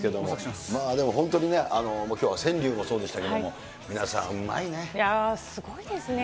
まあでも本当にね、もうきょうは川柳もそうでしたけれども、皆さん、うまいね。